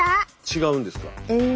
違うんですか。